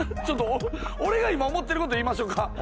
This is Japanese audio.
ちょっと俺が今思ってる事言いましょうか？